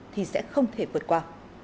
thì sẽ không thể vượt qua